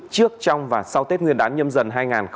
trước trong và sau tết nguyên đán nhâm dần hai nghìn hai mươi bốn